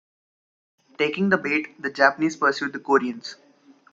Taking the bait, the Japanese pursued the Koreans.